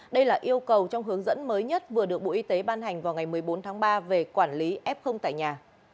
đây là yêu cầu trong hướng dẫn mới nhất vừa được bộ y tế ban hành vào ngày một mươi bốn tháng ba về quản lý f tại nhà